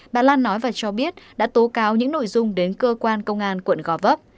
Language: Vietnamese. bà lan nói và cho biết đã tố cáo những nội dung đến cơ quan công an quận gò vấp